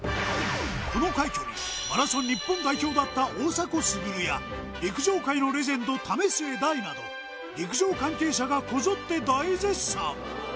この快挙にマラソン日本代表だった大迫傑や陸上界のレジェンド為末大など陸上関係者がこぞって大絶賛